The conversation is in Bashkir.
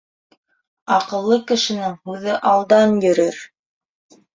Аҡыллы кешенең һүҙе алдан йөрөр.